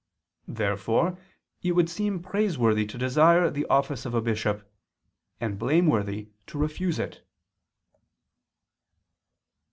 Therefore it would seem praiseworthy to desire the office of a bishop, and blameworthy to refuse it.